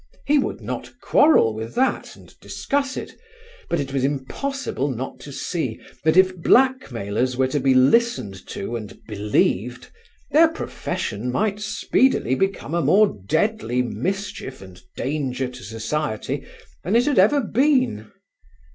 He would not quarrel with that and discuss it, but it was impossible not to see that if blackmailers were to be listened to and believed, their profession might speedily become a more deadly mischief and danger to society than it had ever been.